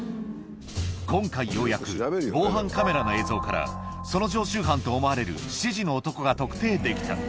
今回、ようやく防犯カメラの映像からその常習犯と思われる７時の男が特定できた。